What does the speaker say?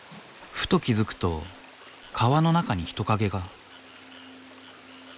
ふと気付くと川の中に人影が。